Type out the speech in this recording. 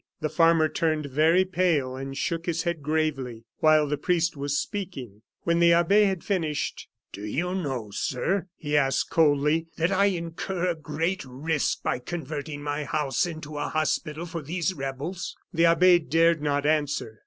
The farmer turned very pale and shook his head gravely, while the priest was speaking. When the abbe had finished: "Do you know, sir," he asked, coldly, "that I incur a great risk by converting my house into a hospital for these rebels?" The abbe dared not answer.